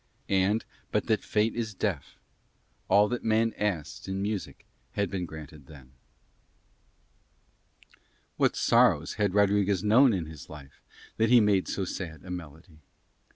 And, but that Fate is deaf, all that man asks in music had been granted then. What sorrows had Rodriguez known in his life that he made so sad a melody?